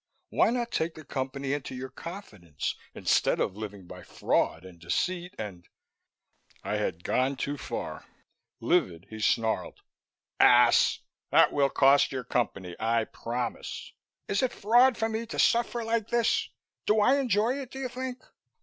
Why not take the Company into your confidence, instead of living by fraud and deceit and " I had gone too far. Livid, he snarled, "Ass! That will cost your Company, I promise. Is it fraud for me to suffer like this? Do I enjoy it, do you think?